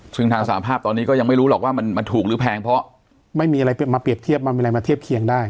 ซึ่งทางสาภาพตอนนี้ก็ยังไม่รู้หรอกว่ามันถูกหรือแพงเพราะไม่มีอะไรมาเปรียบเทียบมันมีอะไรมาเทียบเคียงได้